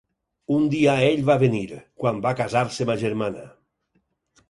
Un dia ell va venir, quan va casar-se ma germana.